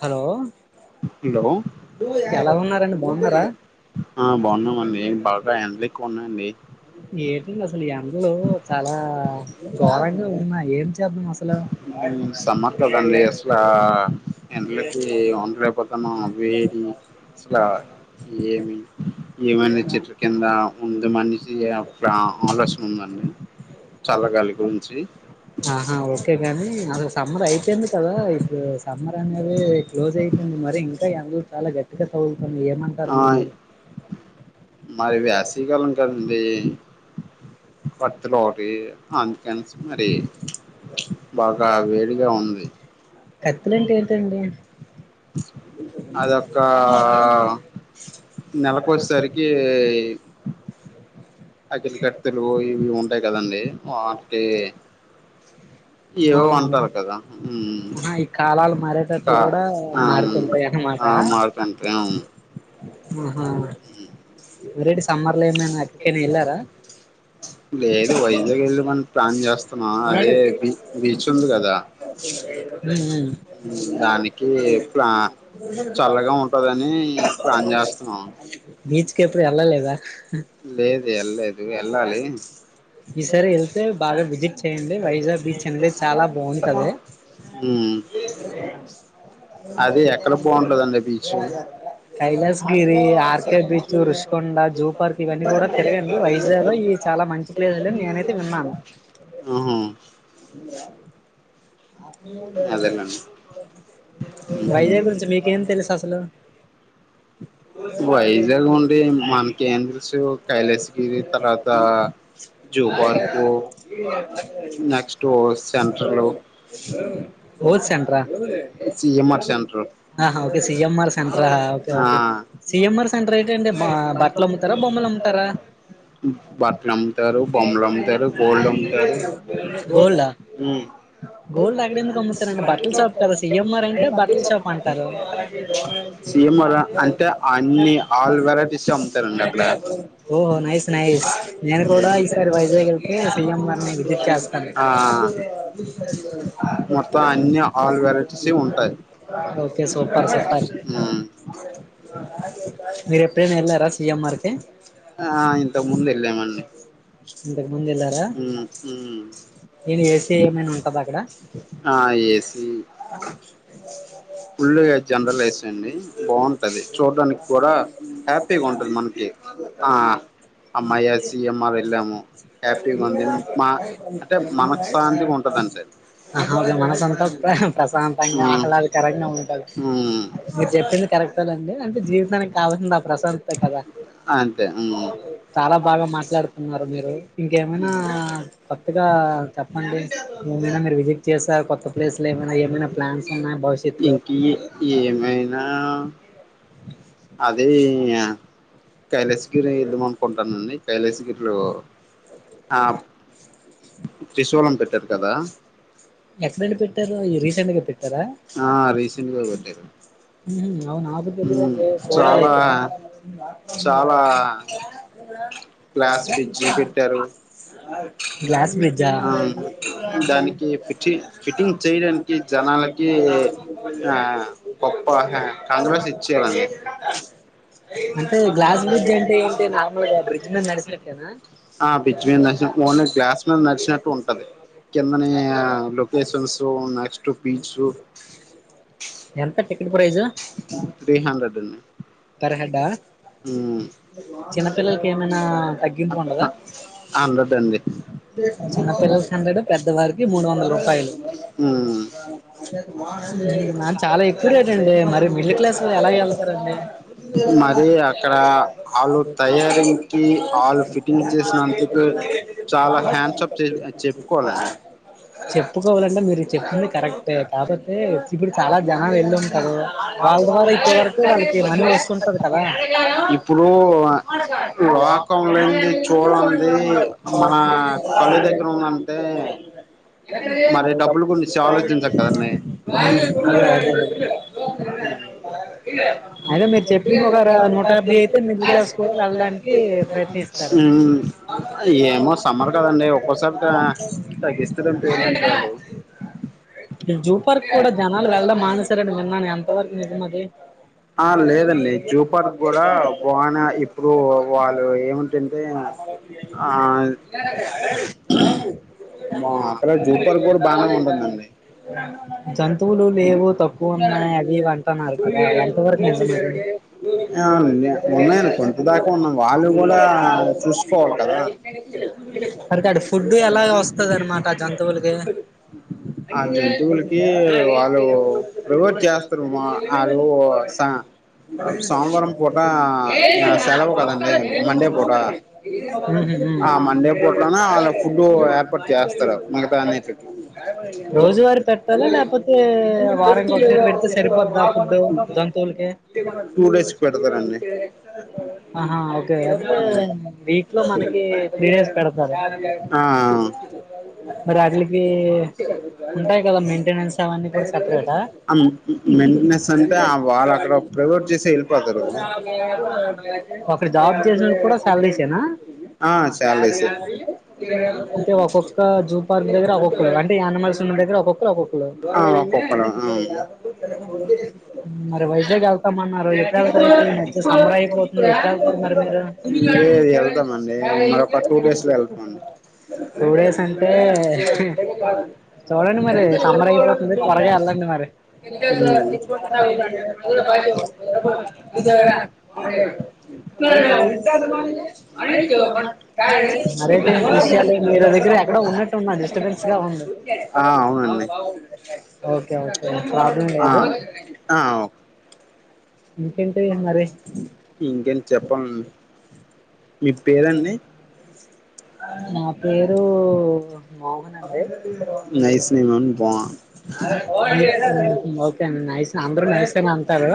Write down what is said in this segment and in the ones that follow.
Hello hello బాగున్నామండి బాగా ఎండల ఎక్ ఉన్నాండి ఏ అసలు ఈ అందులో చాలా ఘోరంగా ఉన్నా ఏంటి జబ్ మస్త సమ్మర్ కదండి అసలు ఎంలకి వండలేకపోతును వేడి అసల ఏమి ఏమనా చెట్ల కింద ఉంది మనిషి అ ఆలోచయం ఉందండి చల్లగాలి గురించి అ అ సమ్మర్ అయితుంది కదా ఇప్పుడు సమ్మర్ అనేది క్లోజ్ అయితుంది మరి ఇం అందుూ చాలా గట్టిగా స ఆ మరి వేసవికాలం కదండి కొత్తలోటి అందుక అనేసి మరి బాగా వేడిగా ఉన్నది అ నెలకు వచ్చేసరికి అకిలి పెతులు ఇవి ఉంటాయి కదండి వాటికి ఏవో అంటారు కదా ఆ మాార్కంటే అవును ఆహా వేటి సమ్మా లేదు వైజాకి వెళ్ళి మన ప్లాన్ చేస్తున్నాం అదే బీచ్ ఉంది కదా దానికి ప్లా చల్లగా ఉంటదని ప్లాన్ చేస్తున్నాం బీచ్కి ఎప్పుడు వెళ్ళ లేదా లేదు వెళ్ళదు వెళ్ళాలి ఈసారి వెళ్తే బాగా విజిట్ చేయండి వైజాగ బీచ్ అది ఎక్కడ బాగుంటదండి బీచ్ ప ననైయితే వెన్నాల వైజాగ్ గురించి మీక ఏం తెలుసు ఆసలు వైజాగ్ ఉండి మనకి ఏం తెలుసు సెంట ఓక సిఎ సెంటఓకఓకే సిఎంఆర్ సెంటర్ అయి అండి బట్టలు అమ్ముతా రా బొమ్మలు అమ్ముతారా గోల్డ్ గోల్డ్ అక్కడ ఎందుకు అమ్ముతారండి బట్టల్ షాప్ కదా సిఎంఆర్ అంటే బట్టల్ షాప్ అంటారు అన్ని ఆల్ వెరైటీస్ అమ్ముతారండి అక్కడ ఓ నైస్ నైస్ నేను కూడా ఈసారి వైజాగ్ వెళ్పితే సిఎం గారిని విజిట్ చేస్తాను ఓకే సూపర్ సూపర్ మీరు ఎప్పుడైనా వెళ్ళారా సీఎంఆర్కి ఆ ఇంత ముందు వెళ్ళామండి ఇంతకు ముందు వెళ్ళారా నను ఏసీ ఏమైనా ఉంటదా అక్కడ ఆ ఏసి ఫుల్గా జనరల్స్డి బాగుంటది చూడడానికి కూడా హ్యాపీగా ఉంటది మనకి మనసు అంతంత ప్రశాంత ఆహ్లాదు కరంగ అ చాలా బాగా మాట్లాడుతున్నారు మీరు ఇంకేమైనా కొత్తగా చెప్పండి ఏమైనా మీరు విజిట్ చేస కొత్త ప్లేసులు ఏమైనా ఏమైనా ప్లాన్స్ ఉన్నాయి భవిష్యత్లో అదే కైలాసగిరి వెళ్ళదాం అనుకుంటానండి కైలాసగిరిలో ఆ ఎక్కడళ పెట్టారు అ రీసెట్గా డ [unintelligible] హ [unintelligible] నవ నాకూ తెలిదండి చోడాలయితే గ్లాస్ బిజ్జి పెట్టారు గ్లాస్ బ్రిడ్జా అంటే గ్లాస్ బ్రిడ్జ్ అంటే ఏంట నార్మల్గా బ్రిడ్జ్ మీద నడిచినట్టేనా ఓన్లీ గ్రాస్ మీద నడిచినట్టు ఉంటుంది కింద locations next beach three hundred uh అద చిన్నపిల్లలకి ఏమైనా తగ్గింపు ఉంటదా చిన్నపిల్లలకి హండ్రెడ్ పెద్దవారికి మూడు వందల రూపాయలు నా చాలా ఎక్కువ రేట్ అండి మరి మిడిల్ క్లాస్ వాళ్ళు ఎలాగ వెళ్తారండి అక్కడ హాలు తయారంగ్ కి హల్ ఫిట్టింగ్ చేసిన చెప్పుకోవాలంటే మీరు చెప్పినది కరెక్ట్ే కాకపోతే ఇప్పుడు చాలా జనాలు వెళ్ళి ఉంటారు వాళ్ళ ద్వారా ఇప్పటి వరకు వాళ్ళకి మనీ వస్తుంటది కదా ఇప్పుడు ఆకం లేంది చోడం అయితే మీరు చెప్పింది ఒక నట్ బ అయితే మిడిల్ క్లాస్ కూడా వెళ్ళడానికి ప్రయత్నిస్తారు ఏమో సమ్మర్ కదండి ఒక్కోసారిగా తగ్గిస్తారు ఆ లేదండి జూపర్ హలోబానే ఇప్పుడు వాళ్ళు ఏమంటంటే జంతువులు లేవు తక్కువ ఉన్నాయి అవి అంటన్నారు కదా ఎంతవరకు నిజందడి ఉన్నాయండి పొద్దుందాక వాళ్ళు కూడా చూశారు అరక ఫుడ్ ఎలా వస్తుంది అన్నమాట జంతువులకి [unintelligible] సోమవారం పూట సెలవు కదండి మండే పూట రోజు వారికి పెడతారా లేకపోతే వారానికి ఒకసారి పెడితే సరిపోద్దా ఫుడ్ జంతువులకి ఆహా ఓకే వీక్ లో మనకి త్రీ డేస్ పెడతారు మరి ఆఆటికి ఉంటాయి కదా మెయింటైనెన్స్ అవన్నీ కూడా సపరేటా చేసి వెళ్ళిపోతారు ఓకేనా అంటే ఒక్కొక్క జూ పార్క్ దగ్గర ఒక్కొక్కలు అంటే ఎనిమల్స్ ఉన్న దగ్గర మరి వైజాగ్ వెళ్తామన్నారు [unintelligible] వెళ్తామండి ఒక టూ డేస్ లో వెళ్తామండి [unintelligible] [unintelligible] [unintelligible] ఆ అవునండి ఆ ఆ ఓకే ఇంకేంటి మరి ఇంకేం చెప్పాలి నా పేరు మోహన్ అండి ఓకే నండి అందరు నైస్ అని అంటారు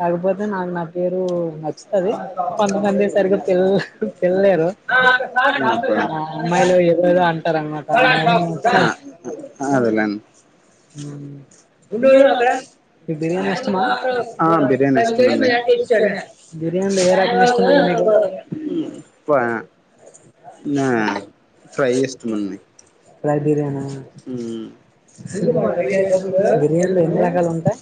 కాకపోతే నాకు నా పేరు నచ్చతది కొంతమంది సరిగ్గా పిల్ల పిలువ లేరు ఆ అమ్మాయిలు ఎదురుగా అంటారు అనమాట ఆ మీకు బిర్యానీ ఇష్టమా బిర్యానీ ఏ రకం ఇష్టమండిమీకు మ్ నా ఫ్రై ఇష్టమండి మ్ బిర్యానీలు ఎన్ని రకాలు ఉంటాయి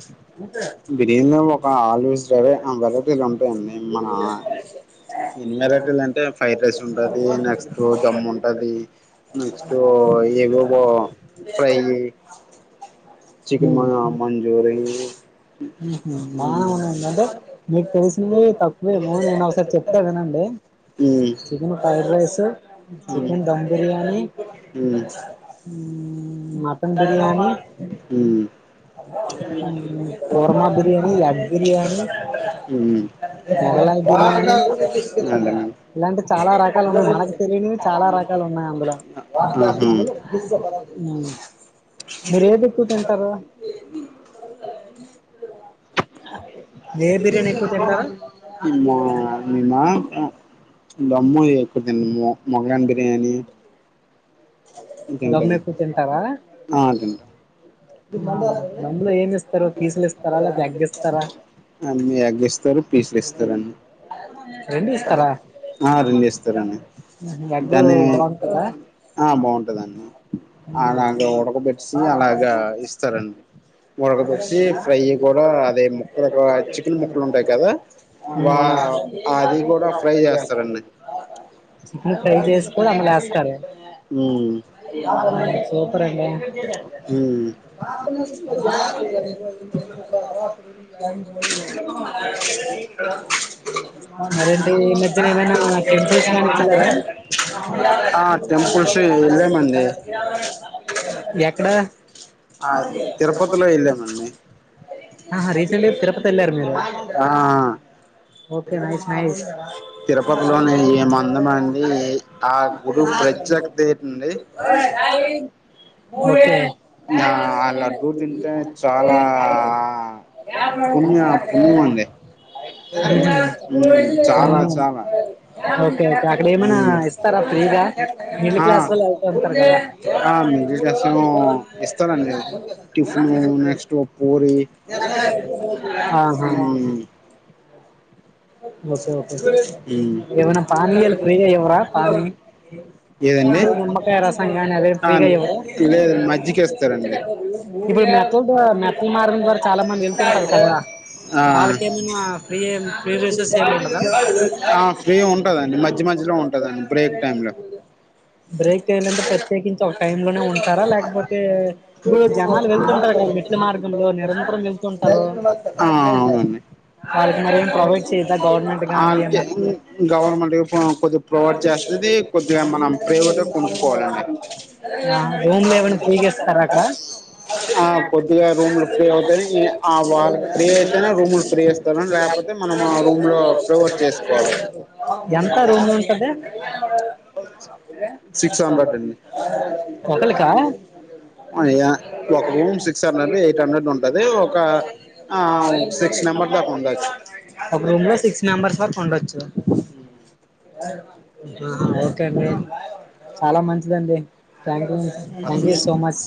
ఎన్ని వెరైటీలు అంటే ఫ్రైడ్ రైస్ ఉంటది నెక్స్ట్ దమ్ము ఉంటది నెక్స్ట్ ఏవేవో ఫ్రై చికెన్ మా మంజూరి మ్ చెప్తా వినండి మ్ chicken fried rice chicken dum biryani మ్ [unintelligible] మ్ ఇలాంటివి చాలా రకాలు ఉన్నాయి మనకు తెలియనివి చాలా రకాలు ఉన్నాయి అందులో [unintelligible] మ ఆ ఆ దమ్ము ఎక్కువ తినను మొగలాయీ బిర్యాణి ఇంకేంటి అండి ఆ అన్నీ ఎగ్గూ ఇస్తారు పీస్లు ఇస్తారుడి ఆ రెండూ ఇస్తారండి దాని ట దాన్ను అలాగ్నే ఉడకబెట్చిన్ అలాగా చికెన్ ఫ్రై చేసి కూడా అందులో వేస్తారు. సూపరండె ఆ టెంపుల్స్ వేల్ ఎక్కడ ఆహ్ తిరుపతిలో వెళ్ళామండి. ఆ తిరుపతిలోనే ఏముందునంది. ఆ గుడు ప్రచ్యేక్ ఉండేయి. న్యా ఆ లడ్డూల్ తింటే చాలా పుణ్య పుణ్యంది. హ్మ్ చాలా, చాలా హ్మ్ ఆ ఆ మేమెజేసం ఇస్తనండి టిఫిన్ నెక్స్ట్ పూరి మ్మ్ ఓకేే ఒకే ఏవనా పానీయలు ఫ్రీగా ఇవరా పానీ అంటే గుమ్మకాయ రసాన్ని కాని అదే ఫ్రీగా ఇవ్వము. ఇప్పుడు మెత్తల ద్వార్ మెత్తలు మారగం ద్వారా చాలా మంది వెళ్తుంటది. కదా వాళ్ళకి [unintelligible] ఆ ఫ్రీ ఉంటదండి మజ్య మజ్యలో ఉంటదన్ బ్రేక్ టైమ్లో. బ్రేక్ ఏందంటే ప్రత్యేకించి ఒక టైమ్ లోనే ఉంటారా, లేకపోతే ఇప్పుడు జనాలు వెళ్తుంటారు. కదండీ. మెట్లు మార్గంలో నిడంతరం వెళ్తుంటారు. ఆ అంతే ఇన్ గవర్నమెంట్కిపోన్ కొద్దిగా ప్రొవైడ్ చేస్తది. కొద్దిగా మనం ప్రైవేట్గ్ కొనుకోవాలన్నే ఆ కొద్దిగా రూమ్లు ఫ్రీగావుతది. ఇగ ఆ వాళ్ళ్ ఫ్రీ అయితేనే, రూములు ఫ్రీగా ఇస్తర్ రూమ్ లాకపోతే మనం ఆ రూమ్ లో ప్రొవైడ్ చేసుకోవాలే ఒకలికా ఆ ఒక రూమ్లో సిక్స్ నెంబర్స్ వరకు ఉండొచ్చు. హ్మ్ ఆహ ఓకే అండి. చాలా మంచిదండి. Thank you thank you so much